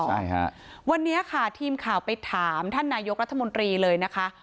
ใช่ค่ะวันนี้ค่ะทีมข่าวไปถามท่านนายกรัฐมนตรีเลยนะคะ